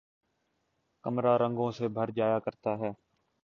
کمرا رنگوں سے بھر جایا کرتا تھا